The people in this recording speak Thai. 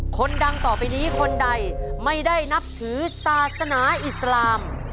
คนดังต่อไปนี้คนใดไม่ได้นับถือศาสนาอิสลาม